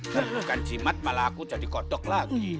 kalau bukan jimat malah aku jadi kodok lagi